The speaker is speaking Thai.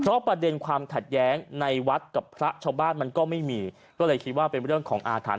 เพราะประเด็นความขัดแย้งในวัดกับพระชาวบ้านมันก็ไม่มีก็เลยคิดว่าเป็นเรื่องของอาถรรพ